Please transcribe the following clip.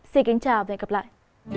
xin kính chào và hẹn gặp lại